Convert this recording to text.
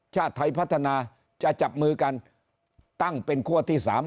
ชาติไทยพัฒนาจะจับมือกันตั้งเป็นคั่วที่๓